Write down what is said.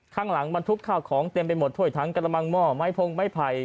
ข้างหลังบรรทุกข้าวของเต็มไปหมดถ้วยทั้งกระมังหม้อไม้พงไม้ไผ่